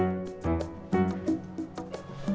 interview tahap dua